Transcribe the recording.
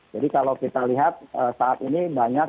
jadi kalau kita lihat saat ini banyak